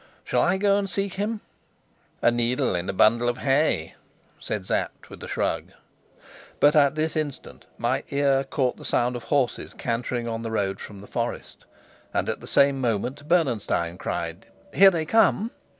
Shall I go and seek him?" "A needle in a bundle of hay," said Sapt with a shrug. But at this instant my ear caught the sound of horses cantering on the road from the forest; at the same moment Bernenstein cried, "Here they come!"